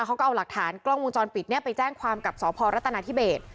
เขาก็เอาหลักฐานกล้องวงจรปิดไปแจ้งความกับสพรัฐนาธิเบส